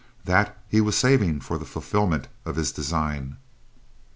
That he was saving for the fulfillment of his design.